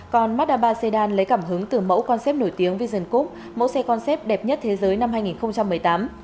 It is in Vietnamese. còn mazda ba sedan lấy cảm hứng từ mẫu concept nổi tiếng vision coupe mẫu xe concept đẹp nhất thế giới năm hai nghìn một mươi tám